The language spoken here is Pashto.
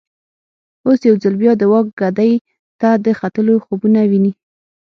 اوس یو ځل بیا د واک ګدۍ ته د ختلو خوبونه ویني.